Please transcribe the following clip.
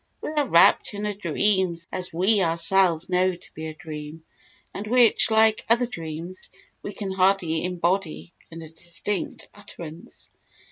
We are rapt in a dream such as we ourselves know to be a dream, and which, like other dreams, we can hardly embody in a distinct utterance.